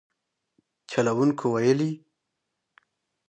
چلوونکو ویلي